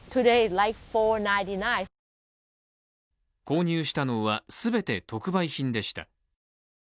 購入したのは、全て特売品でした。